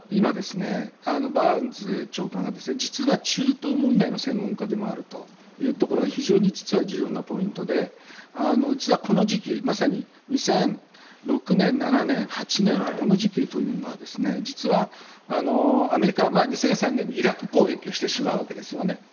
バーンズ長官は実は中東問題の専門家でもあるというところが非常に実は重要なポイントで実はこの時期、まさに２００６年、２００７年２００８年というのはこの時期というのはアメリカ２００３年にイラク攻撃をしてしまうわけですよね。